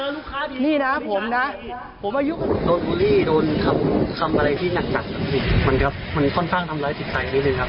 นี่นะผมนะผมอายุโดนฮูลลี่โดนทำอะไรที่หนักมันค่อนข้างทำร้ายสิทธิ์ใสนิดนึงครับ